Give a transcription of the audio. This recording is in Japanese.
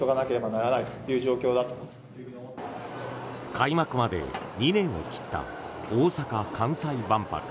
開幕まで２年を切った大阪・関西万博。